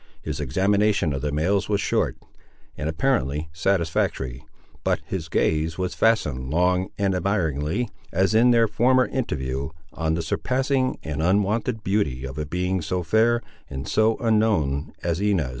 His examination of the males was short, and apparently satisfactory. But his gaze was fastened long and admiringly, as in their former interview, on the surpassing and unwonted beauty of a being so fair and so unknown as Inez.